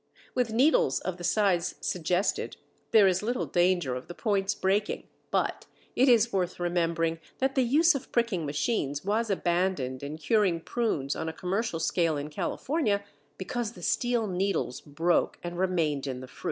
With needles of the size suggested there is little danger of the points breaking, but it is worth remembering that the use of pricking machines was abandoned in curing prunes on a commercial scale in California because the steel needles broke and remained in the fruit.